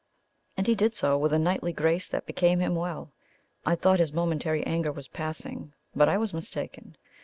And he did so, with a knightly grace that became him well. I thought his momentary anger was passing, but I was mistaken.